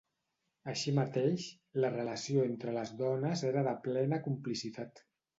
Així mateix, la relació entre les dones era de plena complicitat.